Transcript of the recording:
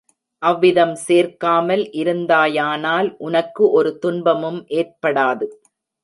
அவ்விதம் சேர்க்காமல் இருந்தாயானால் உனக்கு ஒரு துன்பமும் ஏற்படாது.